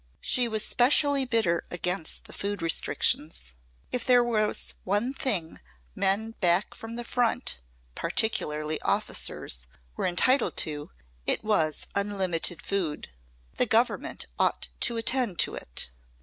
She was specially bitter against the food restrictions. If there was one thing men back from the Front particularly officers were entitled to, it was unlimited food. The Government ought to attend to it.